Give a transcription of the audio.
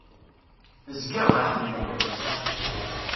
Zgiɣ d axemmem.